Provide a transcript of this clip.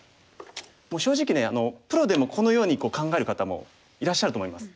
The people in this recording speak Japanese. もう正直ねプロでもこのように考える方もいらっしゃると思います。